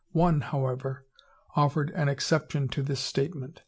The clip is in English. One, however, offered an exception to this statement.